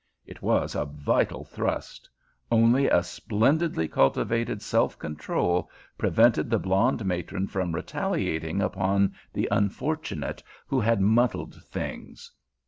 It was a vital thrust. Only a splendidly cultivated self control prevented the blonde matron from retaliating upon the unfortunate who had muddled things.